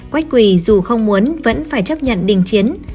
quách quỳ dù không muốn vẫn phải chấp nhận đình chiến